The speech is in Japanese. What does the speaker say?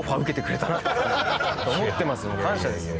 もう感謝ですよ。